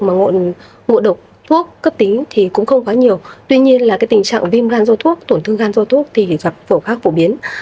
mà ngộn ngụ độc thuốc cấp tính thì cũng không quá nhiều tuy nhiên là cái tình trạng viêm gan do thuốc tổn thương gan do thuốc thì gặp phổ khác phổ biến